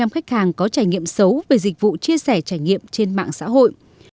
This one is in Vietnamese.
chín mươi ba khách hàng có trải nghiệm xấu về dịch vụ chia sẻ trải nghiệm trên mạng xã hội